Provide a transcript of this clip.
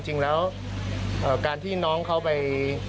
จริงแล้วการที่น้องเขาไป